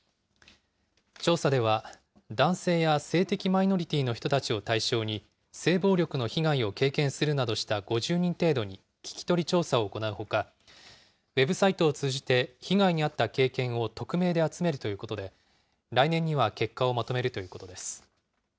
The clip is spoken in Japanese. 調査では、男性や性的マイノリティの人たちを対象に、性暴力の被害を経験するなどした５０人程度に聞き取り調査を行うほか、ウェブサイトを通じて、被害に遭った経験を匿名で集めるということで、来年には結果をまとめるということです。